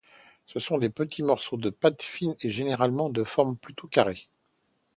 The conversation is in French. Ce sont des petits morceaux de pâtes fines et généralement de forme plutôt carrées.